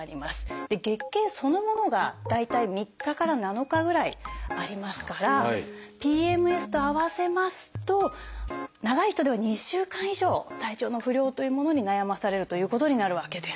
月経そのものが大体３日から７日ぐらいありますからＰＭＳと合わせますと長い人では２週間以上体調の不良というものに悩まされるということになるわけです。